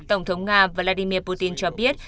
tổng thống nga vladimir putin cho biết